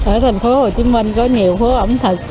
ở thành phố hồ chí minh có nhiều phố ẩm thực